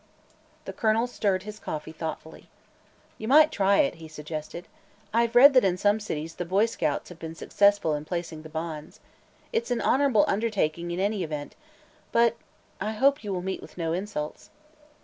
The Colonel stirred his coffee thoughtfully. "You might try it," he suggested. "I've read that in some cities the Boy Scouts have been successful in placing the bonds. It's an honorable undertaking, in any event, but I hope you will meet with no insults."